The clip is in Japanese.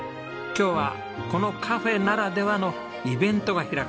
今日はこのカフェならではのイベントが開かれます。